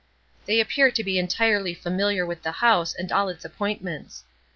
They appear to be entirely familiar with the house and all its appointments.